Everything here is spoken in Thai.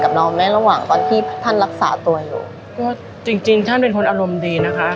เราไหมระหว่างตอนที่ท่านรักษาตัวอยู่ก็จริงจริงท่านเป็นคนอารมณ์ดีนะคะ